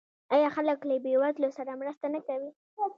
آیا خلک له بې وزلو سره مرسته نه کوي؟